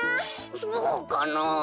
そうかな。